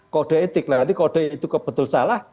kode etik berarti kode itu betul salah